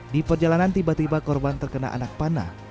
di perjalanan tiba tiba korban terkena anak panah